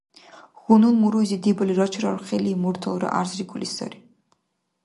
Хьунул муруйзи дебали рачарархили мурталра гӀярзрикӀули сари: